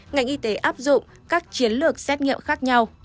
ngành y tế áp dụng các chiến lược xét nghiệm khác nhau